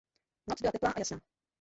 Noc byla teplá a jasná.